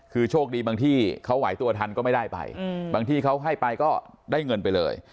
คือโชคดีบางที่เขาไหวตัวทันก็ไม่ได้ไปบางที่เขาให้ไปก็ได้เงินไปเลย